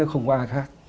không có ai khác